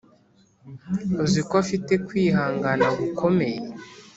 uziko afite kwihangana gukomeye